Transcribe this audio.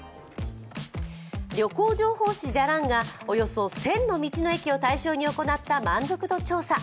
旅行情報誌「じゃらん」がおよそ１０００の道の駅を対象に行った満足度調査。